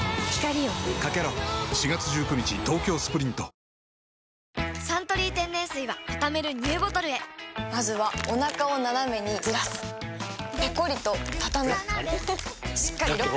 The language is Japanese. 新「アタック抗菌ＥＸ部屋干し用」「サントリー天然水」はたためるＮＥＷボトルへまずはおなかをナナメにずらすペコリ！とたたむしっかりロック！